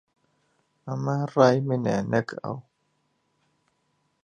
ئەمە ڕای منە، نەک ئەو.